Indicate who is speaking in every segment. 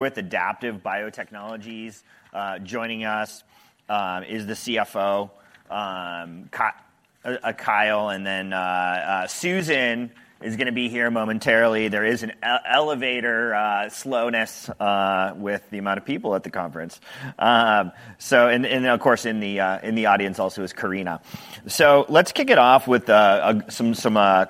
Speaker 1: With Adaptive Biotechnologies, joining us is the CFO, Kyle, and then Susan is going to be here momentarily. There is an elevator slowness with the amount of people at the conference, and of course, in the audience also is Karina, so let's kick it off with some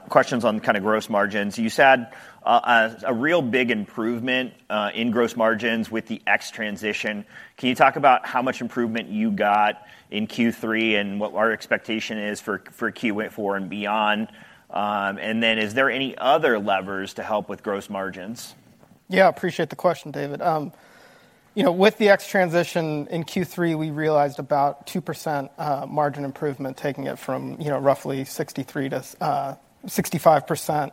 Speaker 1: questions on kind of gross margins. You said a real big improvement in gross margins with the X transition. Can you talk about how much improvement you got in Q3 and what our expectation is for Q4 and beyond, and then is there any other levers to help with gross margins?
Speaker 2: Yeah, I appreciate the question, David. With the X transition in Q3, we realized about 2% margin improvement, taking it from roughly 63%-65%.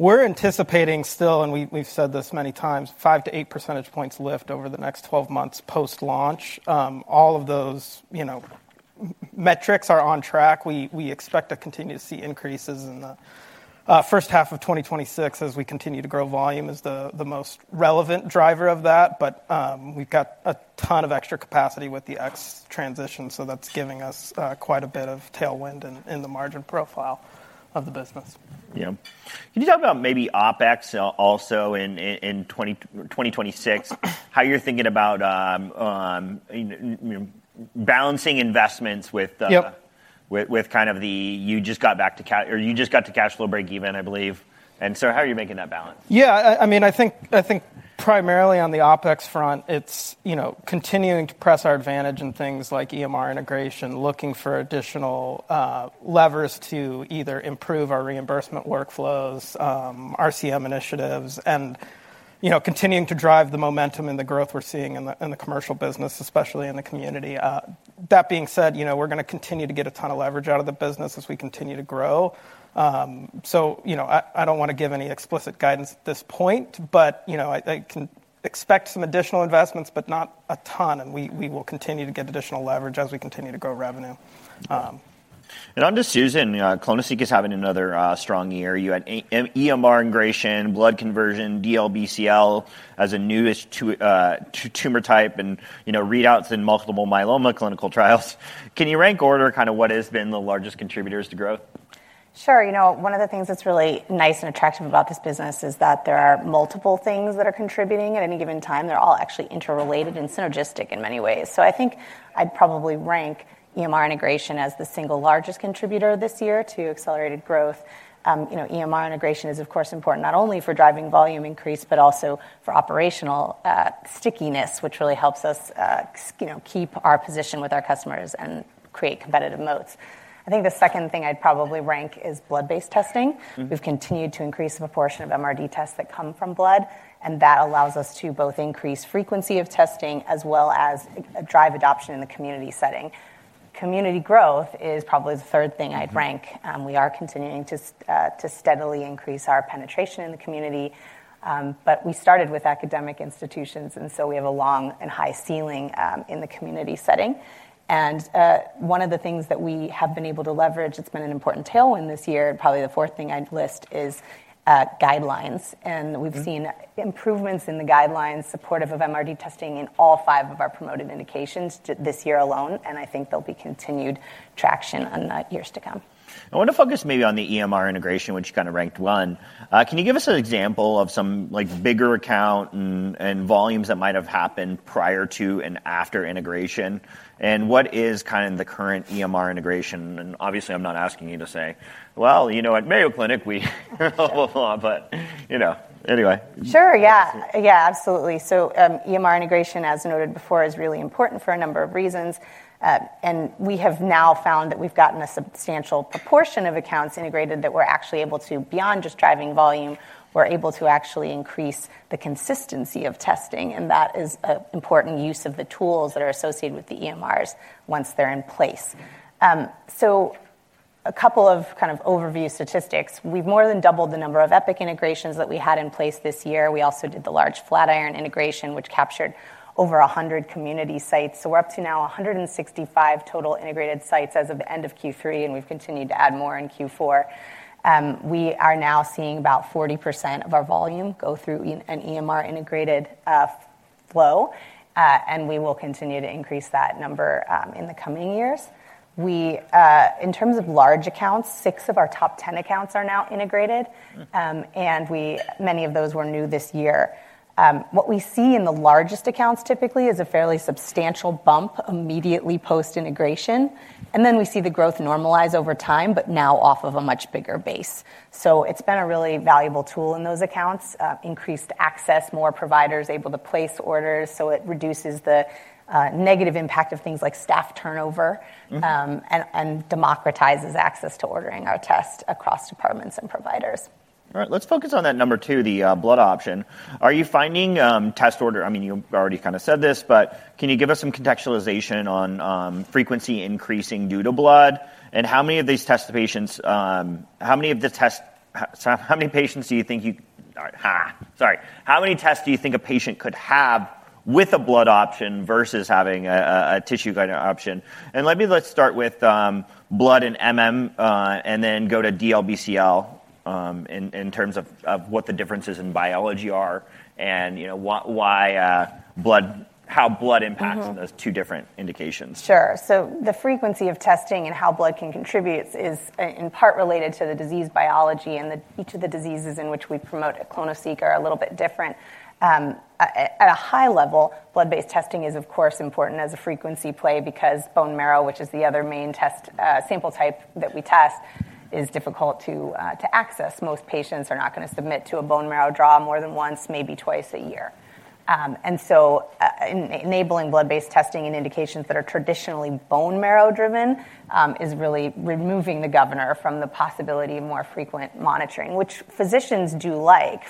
Speaker 2: We're anticipating still, and we've said this many times, 5%-8% points lift over the next 12 months post-launch. All of those metrics are on track. We expect to continue to see increases in the first half of 2026 as we continue to grow volume as the most relevant driver of that. But we've got a ton of extra capacity with the X transition, so that's giving us quite a bit of tailwind in the margin profile of the business. Yeah. Can you talk about maybe OpEx also in 2026, how you're thinking about balancing investments with kind of the, you just got back to, or you just got to cash flow break even, I believe, and so how are you making that balance? Yeah, I mean, I think primarily on the OpEx front, it's continuing to press our advantage in things like EMR integration, looking for additional levers to either improve our reimbursement workflows, RCM initiatives, and continuing to drive the momentum and the growth we're seeing in the commercial business, especially in the community. That being said, we're going to continue to get a ton of leverage out of the business as we continue to grow, so I don't want to give any explicit guidance at this point, but I can expect some additional investments, but not a ton, and we will continue to get additional leverage as we continue to grow revenue. And on to Susan, clonoSEQ is having another strong year. You had EMR integration, blood conversion, DLBCL as a newest tumor type, and readouts in multiple myeloma clinical trials. Can you rank order kind of what has been the largest contributors to growth?
Speaker 3: Sure. You know, one of the things that's really nice and attractive about this business is that there are multiple things that are contributing at any given time. They're all actually interrelated and synergistic in many ways. So I think I'd probably rank EMR integration as the single largest contributor this year to accelerated growth. EMR integration is, of course, important not only for driving volume increase, but also for operational stickiness, which really helps us keep our position with our customers and create competitive moats. I think the second thing I'd probably rank is blood-based testing. We've continued to increase the proportion of MRD tests that come from blood, and that allows us to both increase frequency of testing as well as drive adoption in the community setting. Community growth is probably the third thing I'd rank. We are continuing to steadily increase our penetration in the community, but we started with academic institutions, and so we have a long and high ceiling in the community setting, and one of the things that we have been able to leverage, it's been an important tailwind this year. Probably the fourth thing I'd list is guidelines, and we've seen improvements in the guidelines supportive of MRD testing in all five of our promoted indications this year alone, and I think there'll be continued traction in the years to come. I want to focus maybe on the EMR integration, which kind of ranked one. Can you give us an example of some bigger account and volumes that might have happened prior to and after integration? And what is kind of the current EMR integration? And obviously, I'm not asking you to say, well, you know, at Mayo Clinic, we blah, blah, blah, but anyway. Sure, yeah. Yeah, absolutely. So EMR integration, as noted before, is really important for a number of reasons. And we have now found that we've gotten a substantial proportion of accounts integrated that we're actually able to, beyond just driving volume, we're able to actually increase the consistency of testing. And that is an important use of the tools that are associated with the EMRs once they're in place. So a couple of kind of overview statistics. We've more than doubled the number of Epic integrations that we had in place this year. We also did the large Flatiron integration, which captured over 100 community sites. So we're up to now 165 total integrated sites as of the end of Q3, and we've continued to add more in Q4. We are now seeing about 40% of our volume go through an EMR integrated flow, and we will continue to increase that number in the coming years. In terms of large accounts, six of our top 10 accounts are now integrated, and many of those were new this year. What we see in the largest accounts typically is a fairly substantial bump immediately post-integration, and then we see the growth normalize over time, but now off of a much bigger base. So it's been a really valuable tool in those accounts, increased access, more providers able to place orders, so it reduces the negative impact of things like staff turnover and democratizes access to ordering our tests across departments and providers. All right, let's focus on that number two, the blood option. Are you finding test order? I mean, you already kind of said this, but can you give us some contextualization on frequency increasing due to blood? And how many of these tests the patients, how many of the tests, how many tests do you think a patient could have with a blood option versus having a tissue guide option? And maybe let's start with blood and then go to DLBCL in terms of what the differences in biology are and how blood impacts those two different indications. Sure. So the frequency of testing and how blood can contribute is in part related to the disease biology, and each of the diseases in which we promote at clonoSEQ are a little bit different. At a high level, blood-based testing is, of course, important as a frequency play because bone marrow, which is the other main sample type that we test, is difficult to access. Most patients are not going to submit to a bone marrow draw more than once, maybe twice a year. And so enabling blood-based testing in indications that are traditionally bone marrow driven is really removing the governor from the possibility of more frequent monitoring, which physicians do like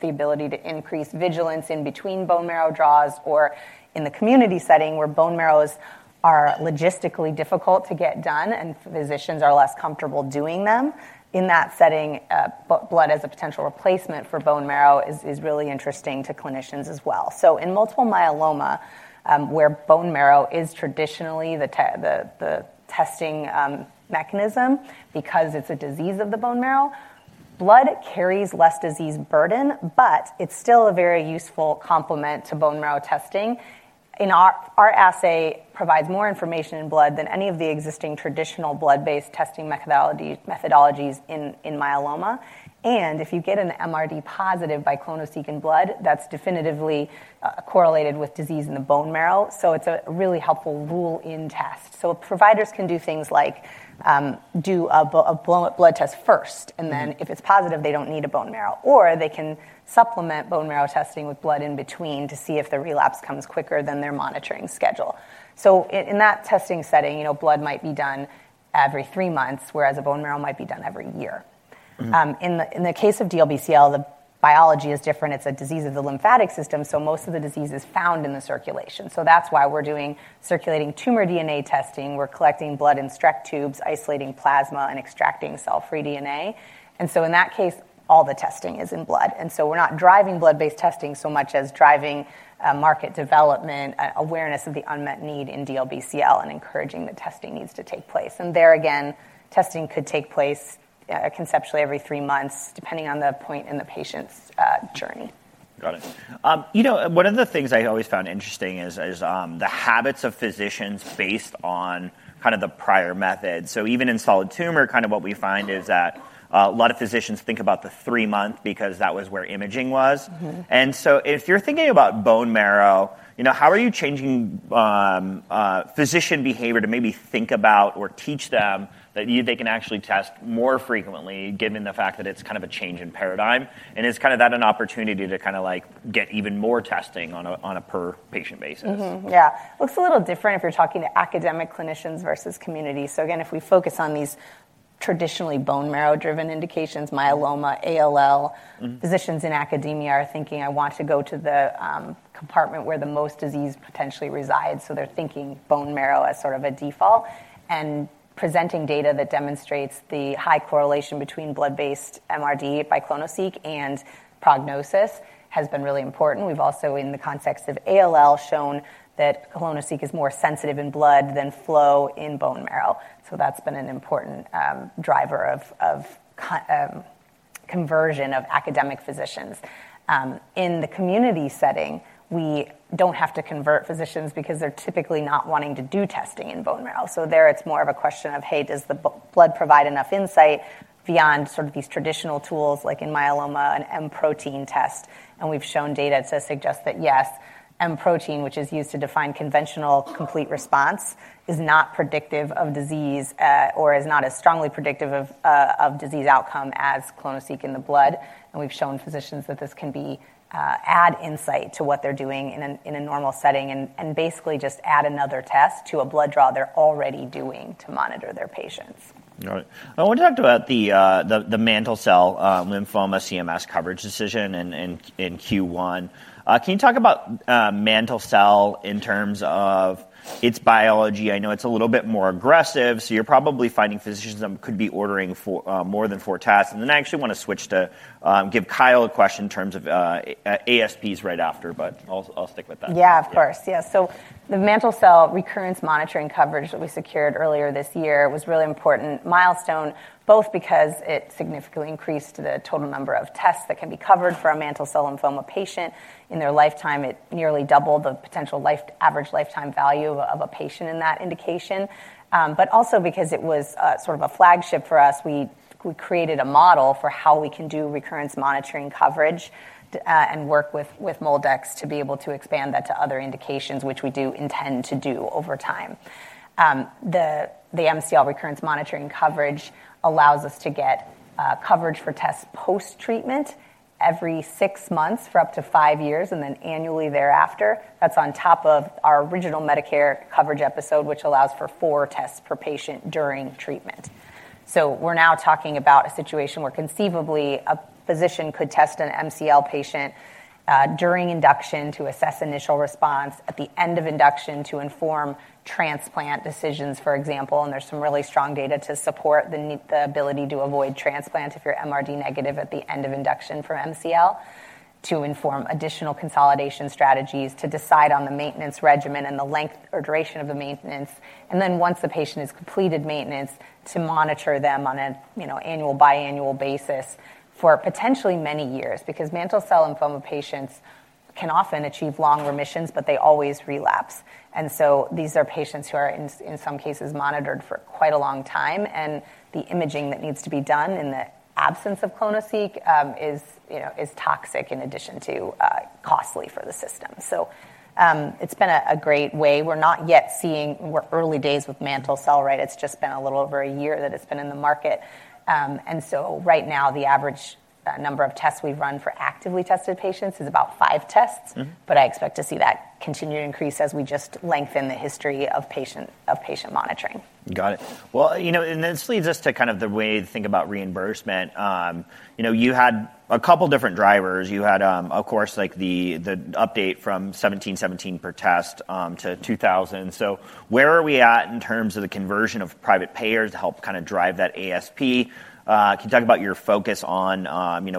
Speaker 3: the ability to increase vigilance in between bone marrow draws or in the community setting where bone marrows are logistically difficult to get done and physicians are less comfortable doing them. In that setting, blood as a potential replacement for bone marrow is really interesting to clinicians as well. So in multiple myeloma, where bone marrow is traditionally the testing mechanism because it's a disease of the bone marrow, blood carries less disease burden, but it's still a very useful complement to bone marrow testing. Our assay provides more information in blood than any of the existing traditional blood-based testing methodologies in myeloma. And if you get an MRD positive by clonoSEQ in blood, that's definitively correlated with disease in the bone marrow. So it's a really helpful rule-in test. So providers can do things like do a blood test first, and then if it's positive, they don't need a bone marrow. Or they can supplement bone marrow testing with blood in between to see if the relapse comes quicker than their monitoring schedule. So in that testing setting, blood might be done every three months, whereas a bone marrow might be done every year. In the case of DLBCL, the biology is different. It's a disease of the lymphatic system, so most of the disease is found in the circulation. So that's why we're doing circulating tumor DNA testing. We're collecting blood in Streck tubes, isolating plasma, and extracting cell-free DNA. And so in that case, all the testing is in blood. And so we're not driving blood-based testing so much as driving market development, awareness of the unmet need in DLBCL, and encouraging that testing needs to take place. And there again, testing could take place conceptually every three months, depending on the point in the patient's journey. Got it. You know, one of the things I always found interesting is the habits of physicians based on kind of the prior method. So even in solid tumor, kind of what we find is that a lot of physicians think about the three-month because that was where imaging was. And so if you're thinking about bone marrow, how are you changing physician behavior to maybe think about or teach them that they can actually test more frequently given the fact that it's kind of a change in paradigm? And is kind of that an opportunity to kind of get even more testing on a per-patient basis? Yeah. It looks a little different if you're talking to academic clinicians versus community. So again, if we focus on these traditionally bone marrow-driven indications, myeloma, ALL, physicians in academia are thinking, I want to go to the compartment where the most disease potentially resides. So they're thinking bone marrow as sort of a default, and presenting data that demonstrates the high correlation between blood-based MRD by clonoSEQ and prognosis has been really important. We've also, in the context of ALL, shown that clonoSEQ is more sensitive in blood than flow in bone marrow. So that's been an important driver of conversion of academic physicians. In the community setting, we don't have to convert physicians because they're typically not wanting to do testing in bone marrow. So there it's more of a question of, hey, does the blood provide enough insight beyond sort of these traditional tools like in myeloma, an M protein test? And we've shown data to suggest that yes, M protein, which is used to define conventional complete response, is not predictive of disease or is not as strongly predictive of disease outcome as clonoSEQ in the blood. And we've shown physicians that this can add insight to what they're doing in a normal setting and basically just add another test to a blood draw they're already doing to monitor their patients. All right. I want to talk about the mantle cell lymphoma CMS coverage decision in Q1. Can you talk about mantle cell in terms of its biology? I know it's a little bit more aggressive, so you're probably finding physicians that could be ordering more than four tests. And then I actually want to switch to give Kyle a question in terms of ASPs right after, but I'll stick with that. Yeah, of course. Yeah. So the mantle cell recurrence monitoring coverage that we secured earlier this year was a really important milestone, both because it significantly increased the total number of tests that can be covered for a mantle cell lymphoma patient in their lifetime. It nearly doubled the potential average lifetime value of a patient in that indication. But also because it was sort of a flagship for us, we created a model for how we can do recurrence monitoring coverage and work with MolDX to be able to expand that to other indications, which we do intend to do over time. The MCL recurrence monitoring coverage allows us to get coverage for tests post-treatment every six months for up to five years and then annually thereafter. That's on top of our original Medicare coverage episode, which allows for four tests per patient during treatment. So we're now talking about a situation where conceivably a physician could test an MCL patient during induction to assess initial response, at the end of induction to inform transplant decisions, for example. And there's some really strong data to support the ability to avoid transplant if you're MRD negative at the end of induction for MCL, to inform additional consolidation strategies, to decide on the maintenance regimen and the length or duration of the maintenance. And then once the patient has completed maintenance, to monitor them on an annual, biannual basis for potentially many years because mantle cell lymphoma patients can often achieve long remissions, but they always relapse. And so these are patients who are in some cases monitored for quite a long time, and the imaging that needs to be done in the absence of clonoSEQ is toxic in addition to costly for the system. So it's been a great way. We're not yet seeing, we're early days with mantle cell, right? It's just been a little over a year that it's been in the market. And so right now, the average number of tests we run for actively tested patients is about five tests, but I expect to see that continue to increase as we just lengthen the history of patient monitoring. Got it. Well, you know, and this leads us to kind of the way to think about reimbursement. You had a couple of different drivers. You had, of course, like the update from $1,717 per test to $2,000. So where are we at in terms of the conversion of private payers to help kind of drive that ASP? Can you talk about your focus on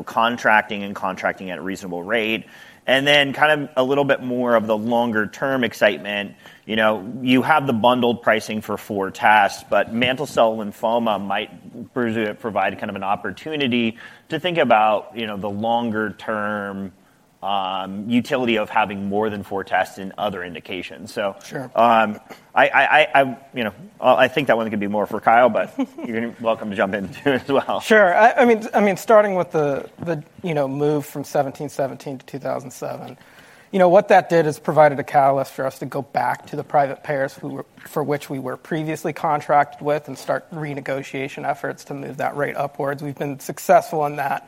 Speaker 3: contracting and contracting at a reasonable rate? And then kind of a little bit more of the longer-term excitement. You have the bundled pricing for four tests, but Mantle cell lymphoma might provide kind of an opportunity to think about the longer-term utility of having more than four tests in other indications. So I think that one could be more for Kyle, but you're welcome to jump in too as well.
Speaker 2: Sure. I mean, starting with the move from $1,717-$2,007, you know what that did is provided a catalyst for us to go back to the private payers for which we were previously contracted with and start renegotiation efforts to move that rate upwards. We've been successful in that.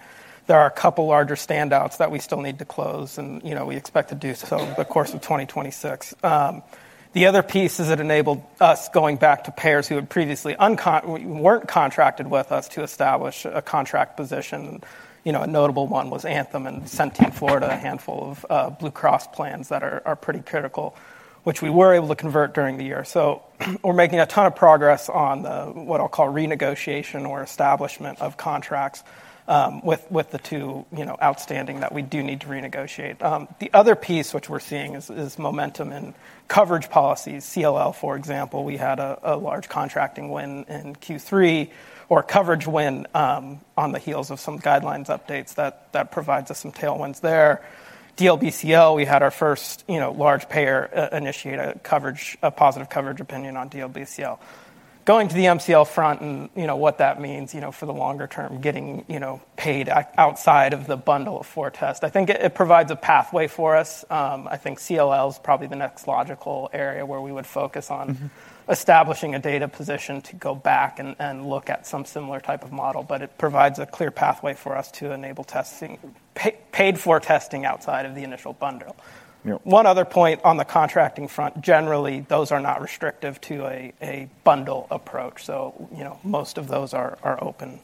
Speaker 2: There are a couple of larger standouts that we still need to close, and we expect to do so over the course of 2026. The other piece is it enabled us going back to payers who had previously weren't contracted with us to establish a contract position. A notable one was Anthem and Centene Florida, a handful of Blue Cross plans that are pretty critical, which we were able to convert during the year. So we're making a ton of progress on what I'll call renegotiation or establishment of contracts with the two outstanding that we do need to renegotiate. The other piece which we're seeing is momentum in coverage policies. CLL, for example, we had a large contracting win in Q3 or coverage win on the heels of some guidelines updates that provides us some tailwinds there. DLBCL, we had our first large payer initiate a positive coverage opinion on DLBCL. Going to the MCL front and what that means for the longer term, getting paid outside of the bundle of four tests. I think it provides a pathway for us. I think CLL is probably the next logical area where we would focus on establishing a data position to go back and look at some similar type of model, but it provides a clear pathway for us to enable paid-for testing outside of the initial bundle. One other point on the contracting front, generally, those are not restrictive to a bundle approach. So most of those are open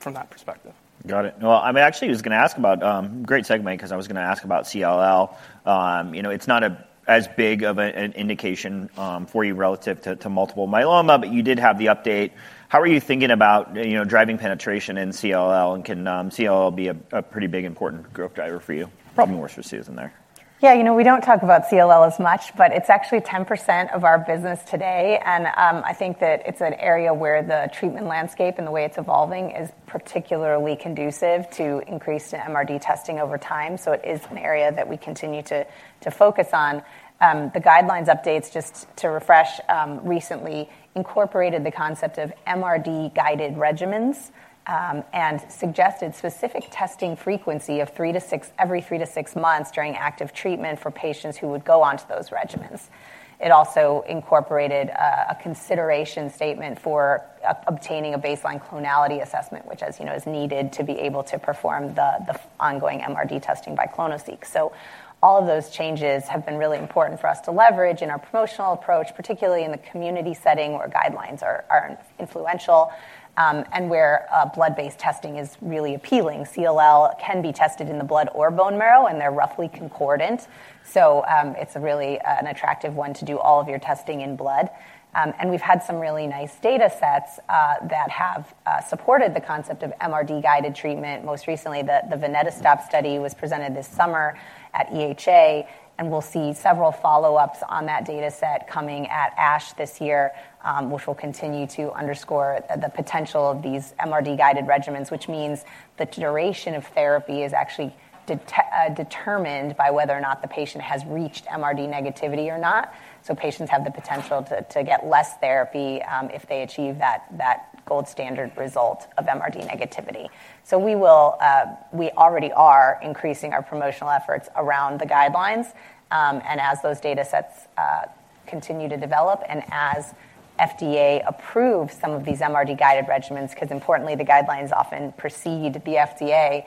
Speaker 2: from that perspective. Got it. Well, I actually was going to ask about great segment, because I was going to ask about CLL. It's not as big of an indication for you relative to multiple myeloma, but you did have the update. How are you thinking about driving penetration in CLL, and can CLL be a pretty big important growth driver for you? Probably more specific than there.
Speaker 3: Yeah, you know we don't talk about CLL as much, but it's actually 10% of our business today. And I think that it's an area where the treatment landscape and the way it's evolving is particularly conducive to increased MRD testing over time. So it is an area that we continue to focus on. The guidelines updates, just to refresh, recently incorporated the concept of MRD-guided regimens and suggested specific testing frequency of every three to six months during active treatment for patients who would go on to those regimens. It also incorporated a consideration statement for obtaining a baseline clonality assessment, which, as you know, is needed to be able to perform the ongoing MRD testing by clonoSEQ. So all of those changes have been really important for us to leverage in our promotional approach, particularly in the community setting where guidelines are influential and where blood-based testing is really appealing. CLL can be tested in the blood or bone marrow, and they're roughly concordant. So it's really an attractive one to do all of your testing in blood. And we've had some really nice data sets that have supported the concept of MRD-guided treatment. Most recently, the Venetostop study was presented this summer at EHA, and we'll see several follow-ups on that data set coming at ASH this year, which will continue to underscore the potential of these MRD-guided regimens, which means the duration of therapy is actually determined by whether or not the patient has reached MRD negativity or not. So patients have the potential to get less therapy if they achieve that gold standard result of MRD negativity. So we already are increasing our promotional efforts around the guidelines. And as those data sets continue to develop and as FDA approves some of these MRD-guided regimens, because importantly, the guidelines often precede the FDA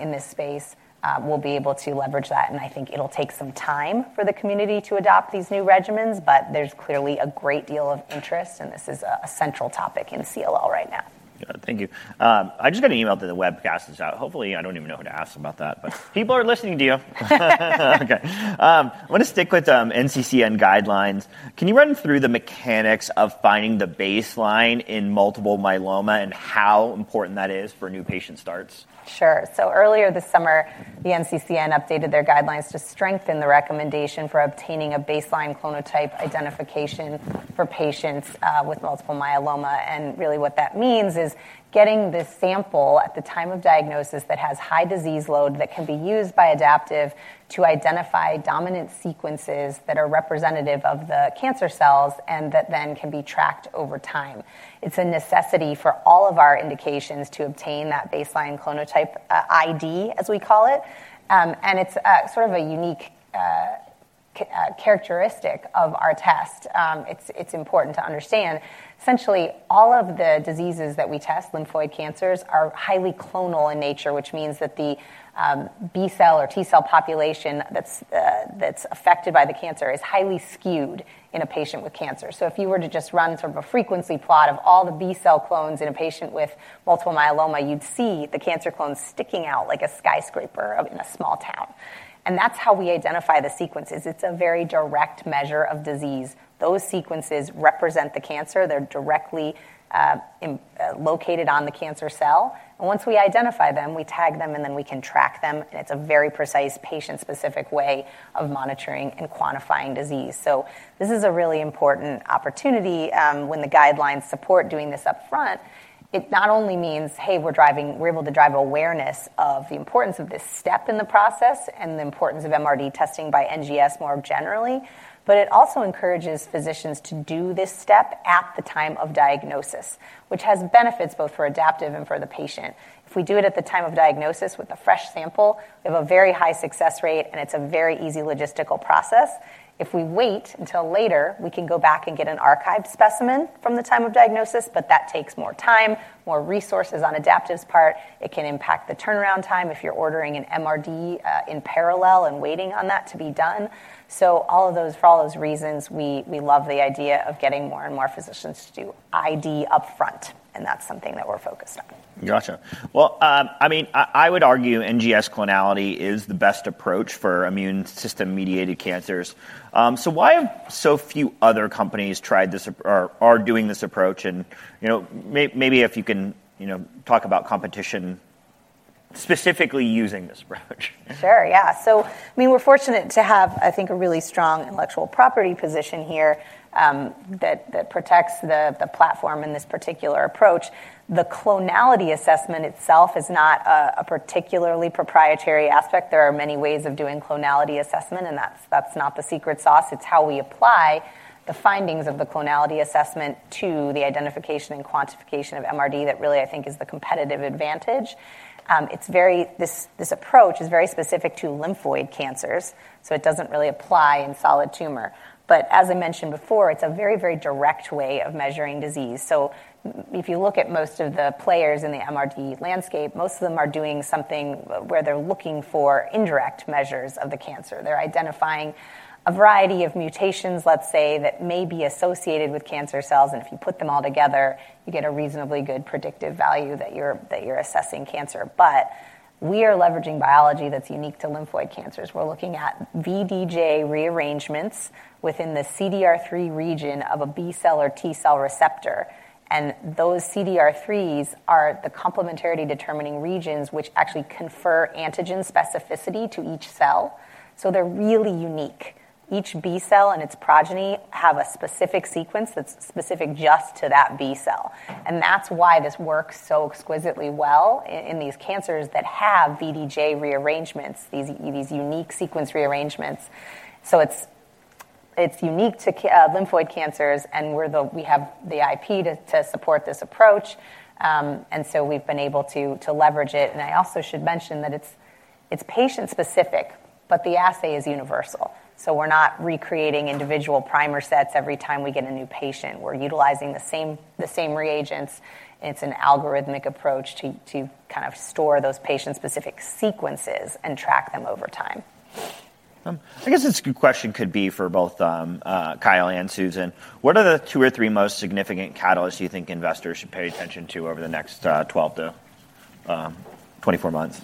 Speaker 3: in this space, we'll be able to leverage that. And I think it'll take some time for the community to adopt these new regimens, but there's clearly a great deal of interest, and this is a central topic in CLL right now. Yeah, thank you. I just got an email that the webcast is out. Hopefully, I don't even know who to ask about that, but people are listening to you. Okay. I want to stick with NCCN guidelines. Can you run through the mechanics of finding the baseline in multiple myeloma and how important that is for new patient starts? Sure. So earlier this summer, the NCCN updated their guidelines to strengthen the recommendation for obtaining a baseline clonotype identification for patients with multiple myeloma. And really what that means is getting the sample at the time of diagnosis that has high disease load that can be used by Adaptive to identify dominant sequences that are representative of the cancer cells and that then can be tracked over time. It's a necessity for all of our indications to obtain that baseline clonotype ID, as we call it. And it's sort of a unique characteristic of our test. It's important to understand. Essentially, all of the diseases that we test, lymphoid cancers, are highly clonal in nature, which means that the B cell or T cell population that's affected by the cancer is highly skewed in a patient with cancer. So if you were to just run sort of a frequency plot of all the B cell clones in a patient with multiple myeloma, you'd see the cancer clones sticking out like a skyscraper in a small town. And that's how we identify the sequences. It's a very direct measure of disease. Those sequences represent the cancer. They're directly located on the cancer cell. And once we identify them, we tag them, and then we can track them. And it's a very precise, patient-specific way of monitoring and quantifying disease. So this is a really important opportunity. When the guidelines support doing this upfront, it not only means, hey, we're able to drive awareness of the importance of this step in the process and the importance of MRD testing by NGS more generally, but it also encourages physicians to do this step at the time of diagnosis, which has benefits both for Adaptive and for the patient. If we do it at the time of diagnosis with a fresh sample, we have a very high success rate, and it's a very easy logistical process. If we wait until later, we can go back and get an archived specimen from the time of diagnosis, but that takes more time, more resources on Adaptive's part. It can impact the turnaround time if you're ordering an MRD in parallel and waiting on that to be done. So for all those reasons, we love the idea of getting more and more physicians to do ID upfront, and that's something that we're focused on. Gotcha. Well, I mean, I would argue NGS clonality is the best approach for immune system-mediated cancers. So why have so few other companies tried this or are doing this approach? And maybe if you can talk about competition specifically using this approach? Sure, yeah. So I mean, we're fortunate to have, I think, a really strong intellectual property position here that protects the platform in this particular approach. The clonality assessment itself is not a particularly proprietary aspect. There are many ways of doing clonality assessment, and that's not the secret sauce. It's how we apply the findings of the clonality assessment to the identification and quantification of MRD that really, I think, is the competitive advantage. This approach is very specific to lymphoid cancers, so it doesn't really apply in solid tumor. But as I mentioned before, it's a very, very direct way of measuring disease. So if you look at most of the players in the MRD landscape, most of them are doing something where they're looking for indirect measures of the cancer. They're identifying a variety of mutations, let's say, that may be associated with cancer cells. And if you put them all together, you get a reasonably good predictive value that you're assessing cancer. But we are leveraging biology that's unique to lymphoid cancers. We're looking at VDJ rearrangements within the CDR3 region of a B cell or T cell receptor. And those CDR3s are the complementarity determining regions, which actually confer antigen specificity to each cell. So they're really unique. Each B cell and its progeny have a specific sequence that's specific just to that B cell. And that's why this works so exquisitely well in these cancers that have VDJ rearrangements, these unique sequence rearrangements. So it's unique to lymphoid cancers, and we have the IP to support this approach. And so we've been able to leverage it. And I also should mention that it's patient-specific, but the assay is universal. We're not recreating individual primer sets every time we get a new patient. We're utilizing the same reagents. It's an algorithmic approach to kind of store those patient-specific sequences and track them over time. I guess this question could be for both Kyle and Susan. What are the two or three most significant catalysts you think investors should pay attention to over the next 12-24 months?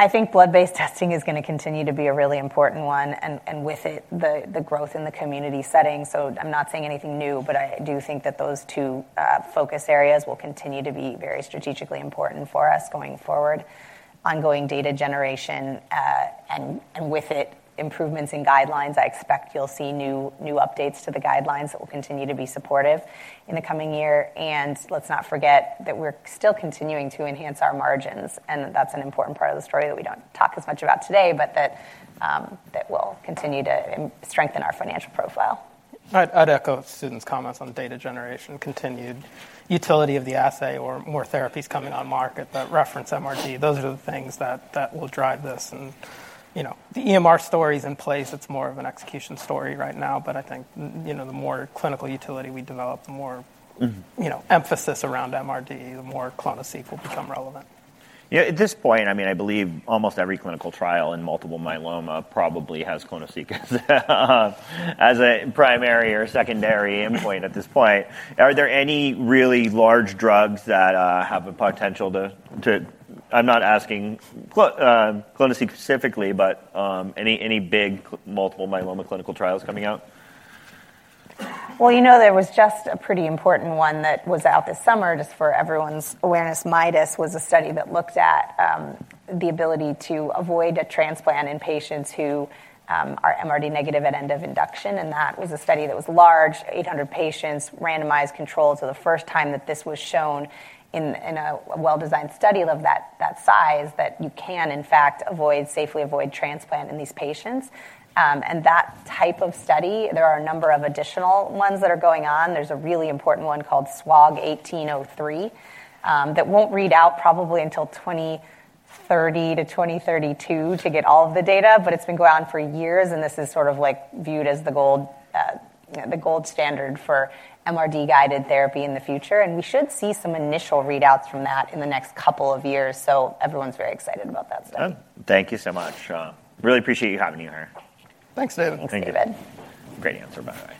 Speaker 3: I think blood-based testing is going to continue to be a really important one, and with it, the growth in the community setting. So I'm not saying anything new, but I do think that those two focus areas will continue to be very strategically important for us going forward. Ongoing data generation and with it, improvements in guidelines. I expect you'll see new updates to the guidelines that will continue to be supportive in the coming year. And let's not forget that we're still continuing to enhance our margins. And that's an important part of the story that we don't talk as much about today, but that will continue to strengthen our financial profile.
Speaker 2: I'd echo Susan's comments on data generation, continued utility of the assay, or more therapies coming on the market that reference MRD. Those are the things that will drive this, and the EMR story is in place. It's more of an execution story right now, but I think the more clinical utility we develop, the more emphasis around MRD, the more clonoSEQ will become relevant. Yeah, at this point, I mean, I believe almost every clinical trial in multiple myeloma probably has clonoSEQ as a primary or secondary endpoint at this point. Are there any really large drugs that have a potential to--I'm not asking clonoSEQ specifically, but any big multiple myeloma clinical trials coming out?
Speaker 3: You know there was just a pretty important one that was out this summer, just for everyone's awareness. MIDAS was a study that looked at the ability to avoid a transplant in patients who are MRD negative at end of induction. That was a study that was large, 800 patients, randomized controls. The first time that this was shown in a well-designed study of that size, that you can, in fact, safely avoid transplant in these patients. That type of study, there are a number of additional ones that are going on. There's a really important one called SWOG 1803 that won't read out probably until 2030-2032 to get all of the data. It's been going on for years, and this is sort of viewed as the gold standard for MRD-guided therapy in the future. And we should see some initial readouts from that in the next couple of years. So everyone's very excited about that stuff. Thank you so much. Really appreciate you having me here.
Speaker 2: Thanks, David.
Speaker 3: Thank you, David. Great answer by.